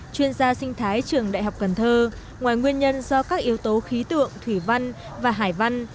chuyên gia sinh thái trường đại học cần thơ ngoài nguyên nhân do các yếu tố khí tượng thủy văn và hải văn